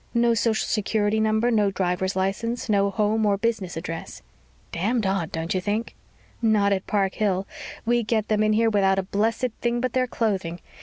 "No social security number, no driver's license, no home or business address." "Damned odd, don't you think?" "Not at Park Hill. We get them in here without a blessed thing but their clothing.